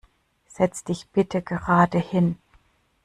Setz dich bitte gerade hin!